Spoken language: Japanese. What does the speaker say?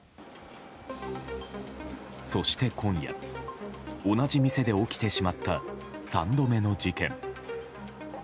そして今夜、同じ店で起きてしまった３度目の事件。